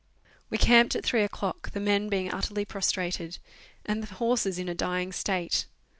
We camped at three o'clock, the men being utterly prostrated, and the horses in a dying state.